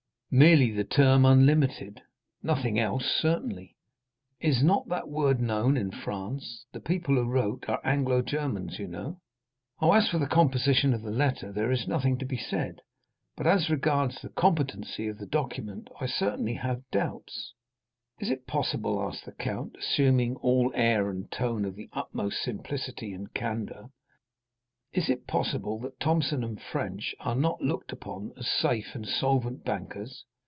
"Merely the term unlimited—nothing else, certainly." "Is not that word known in France? The people who wrote are Anglo Germans, you know." "Oh, as for the composition of the letter, there is nothing to be said; but as regards the competency of the document, I certainly have doubts." "Is it possible?" asked the count, assuming all air and tone of the utmost simplicity and candor. "Is it possible that Thomson & French are not looked upon as safe and solvent bankers?